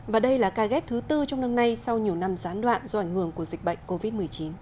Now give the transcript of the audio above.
và đây là ca ghép thứ tư trong năm nay sau nhiều năm gián đoạn do ảnh hưởng của dịch bệnh covid một mươi chín